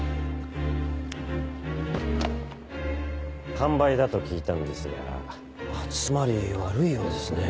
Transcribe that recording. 完売だと聞いたんですが集まり悪いようですねぇ。